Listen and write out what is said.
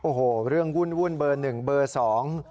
โอ้โหเรื่องวุ่นวุ่นเบอร์หนึ่งเบอร์สอง